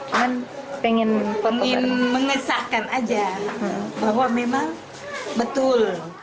cuman pengen mengesahkan aja bahwa memang betul